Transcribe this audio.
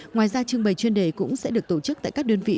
ngoài ra trưng bày chuyên đề cũng sẽ được tổ chức tại các đơn vị